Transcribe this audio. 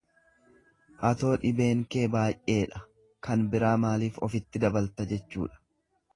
Atoo dhibeen kee baay'eedha kan biraa maaliif ofitti dabalta? jechuudha.